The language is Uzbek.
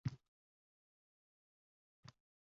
Undan so‘ng dovdirabroq qoldi